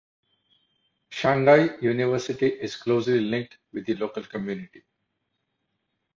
Shanghai University is closely linked with the local community.